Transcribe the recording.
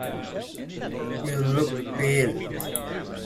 You look pale.